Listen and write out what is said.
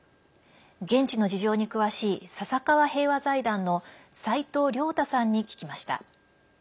現地の事情に詳しい笹川平和財団の齋藤竜太さんに聞きました。